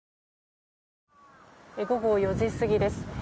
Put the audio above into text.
午後４時過ぎです。